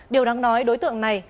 điều đáng nói đối tượng này